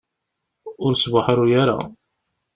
Ur sbuḥruy ara.